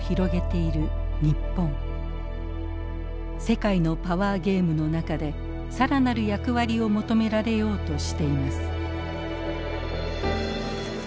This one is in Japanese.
世界のパワーゲームの中で更なる役割を求められようとしています。